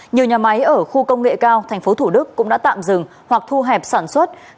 nhiều nhà máy ở khu công nghệ cao tp thủ đức cũng đã tạm dừng hoặc thu hẹp sản xuất